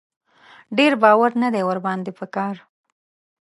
ډېر باور نه دی ور باندې په کار.